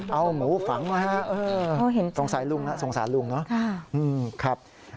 เอาหมูฝังไว้ฮะสงสารลุงนะ